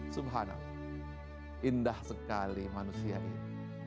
subhanal indah sekali manusia ini